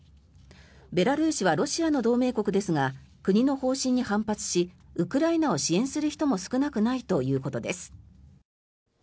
ベラルーシはロシアの同盟国ですが国の方針に反発しウクライナを支援する人も少なくないということです。